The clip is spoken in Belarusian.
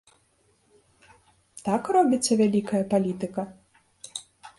Так робіцца вялікая палітыка?